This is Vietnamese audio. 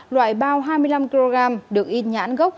loại bao hai mươi năm kg được in nhãn gốc